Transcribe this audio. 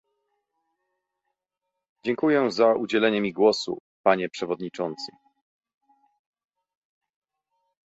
Dziękuję za udzielenie mi głosu, panie przewodniczący